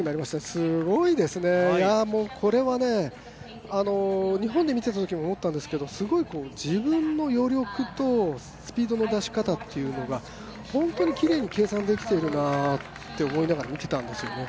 すごいですね、これは、日本で見ていたときも思ったんですけど、すごい自分の余力とスピードの出し方というのが本当にきれいに計算できているなと思いながら見ていたんですよね。